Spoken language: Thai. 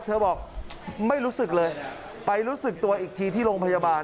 เธอบอกไม่รู้สึกเลยไปรู้สึกตัวอีกทีที่โรงพยาบาล